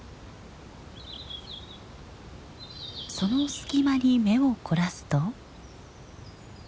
その隙間に目を凝らすと。